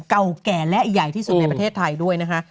เก่าแก่และใหญ่ที่สุดในประเทศไทยด้วยนะคะ